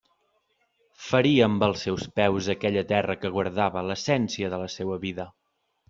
Feria amb els seus peus aquella terra que guardava l'essència de la seua vida.